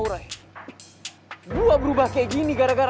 minggu dah vertreum